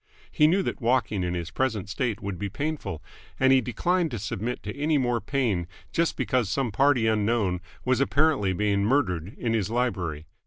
He knew that walking in his present state would be painful, and he declined to submit to any more pain just because some party unknown was apparently being murdered in his library.